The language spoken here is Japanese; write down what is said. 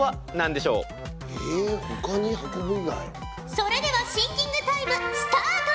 それではシンキングタイムスタートじゃ！